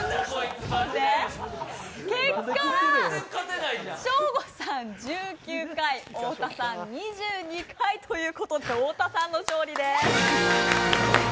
結果は、ショーゴさん１９回、太田さん、２２回ということで太田さんの勝利です。